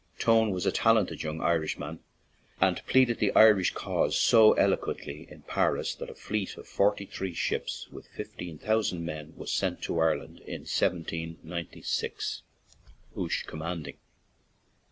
Tone was a talented young Irishman, and pleaded the Irish cause so eloquently in Paris that a fleet of forty three ships, with fifteen thousand men, was sent to Ireland in 1796, Hoche commanding.